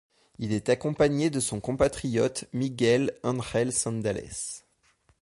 Il est accompagné de son compatriote Miguel Ángel Cendales.